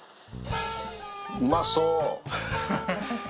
うまそー。